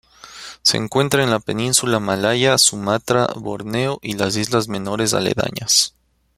Se encuentra en la península malaya, Sumatra, Borneo y las islas menores aledañas.